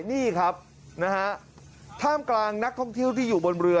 นี่ครับนะฮะท่ามกลางนักท่องเที่ยวที่อยู่บนเรือ